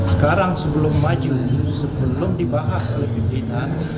sekarang sebelum maju sebelum dibahas oleh pimpinan